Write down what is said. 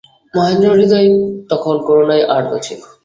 মহেন্দ্রের হৃদয় তখন করুণায় আর্দ্র ছিল।